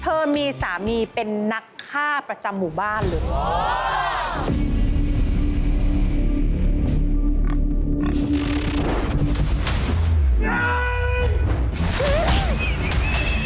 เธอมีสามีเป็นนักฆ่าประจำหมู่บ้านเลย